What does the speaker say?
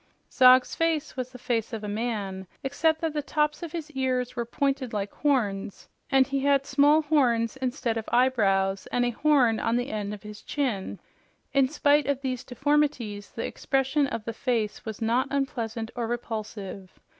Zog's face was the face of a man, except that the tops of his ears were pointed like horns and he had small horns instead of eyebrows and a horn on the end of his chin. In spite of these deformities, the expression of the face was not unpleasant or repulsive.